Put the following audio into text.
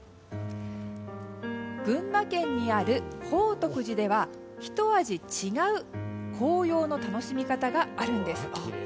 群馬県にある宝徳寺ではひと味違う紅葉の楽しみ方があるんです。